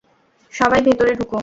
সবাই ভেতরে ঢুকো।